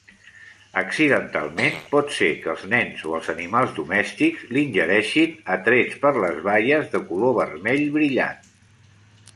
Accidentalment, pot se que els nens o els animals domèstics l'ingereixin atrets per les baies de color vermell brillant.